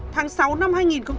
tháng sáu năm hai nghìn một mươi sáu